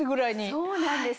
そうなんです。